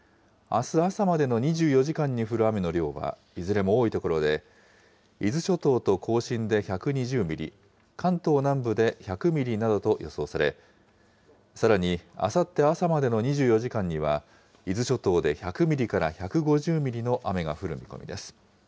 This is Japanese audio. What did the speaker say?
あす朝までの２４時間に降る雨の量は、いずれも多い所で、伊豆諸島と甲信で１２０ミリ、関東南部で１００ミリなどと予想され、さらにあさって朝までの２４時間には、伊豆諸島で１００ミリから１５０ミリの雨が降る見込みです。